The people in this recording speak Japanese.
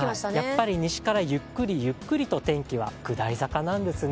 やっぱり西からゆっくりゆっくりと天気は下り坂なんですね。